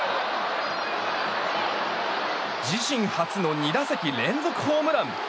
自身初の２打席連続ホームラン！